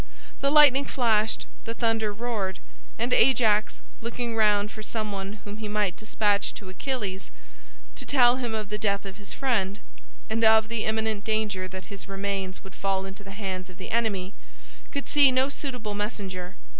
The lightning flashed, the thunder roared, and Ajax, looking round for some one whom he might despatch to Achilles to tell him of the death of his friend, and of the imminent danger that his remains would fall into the hands of the enemy, could see no suitable messenger.